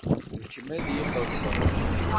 D kemm ad ixellṣen.